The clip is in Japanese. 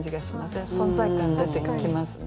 存在感出てきますね。